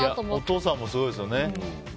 お父さんもすごいですよね。